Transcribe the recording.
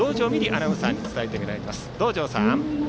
アナウンサーに伝えてもらいます。